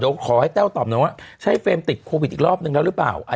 เดี๋ยวขอให้แต้วตอบหน่อยว่าใช่เฟรมติดโควิดอีกรอบนึงแล้วหรือเปล่า